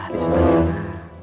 di sebelah sana